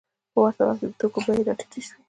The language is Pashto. په ورته وخت کې د توکو بیې راټیټې شوې